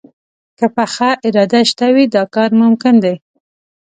که پخه اراده شته وي، دا کار ممکن دی